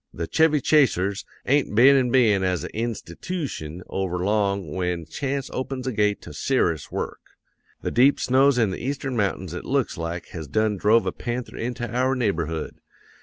"'The Chevy Chasers ain't been in bein' as a institootion over long when chance opens a gate to ser'ous work. The deep snows in the Eastern mountains it looks like has done drove a panther into our neighborhood.